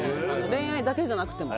恋愛だけじゃなくても。